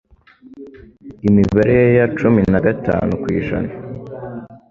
Imibare ye ya cumi nagatanu kwijana